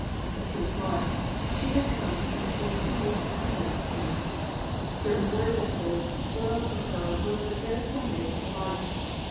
The truth was, she had come into too recent contact with him. Certain words of his had spoiled for her one of the fairest Sundays of her life.